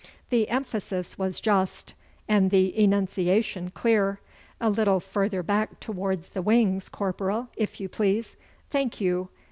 'The emphasis was just, and the enunciation clear. A little further back towards the wings, corporal, if you please. Thank you!